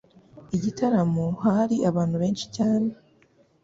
Igitaramo hari abantu benshi cyane.